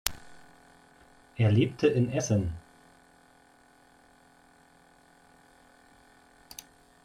Er lebte in Essen.